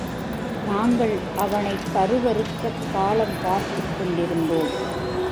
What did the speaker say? நாங்கள் அவனைக் கருவறுக்கக் காலம் பார்த்துக் கொண்டிருந்தோம்.